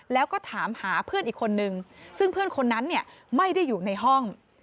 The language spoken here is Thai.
แล้วก็ถามหาเพื่อนอีกคนนึงซึ่งเพื่อนคนนั้นเนี่ยไม่ได้อยู่ในห้อง